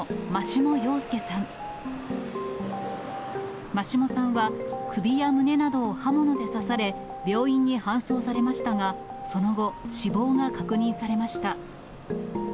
眞下さんは、首や胸などを刃物で刺され、病院に搬送されましたが、その後、死亡が確認されました。